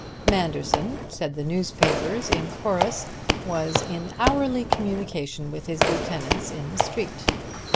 Manderson, said the newspapers in chorus, was in hourly communication with his lieutenants in the Street.